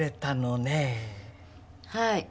はい。